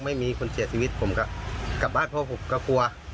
ไม่มีคนเสียชีวิตผมก็กลับบ้านเพราะผมก็กลัว